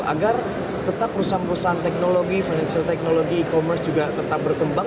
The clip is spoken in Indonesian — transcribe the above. agar tetap perusahaan perusahaan teknologi financial technology e commerce juga tetap berkembang